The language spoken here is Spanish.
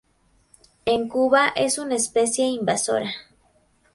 En Cuba es una especie invasora.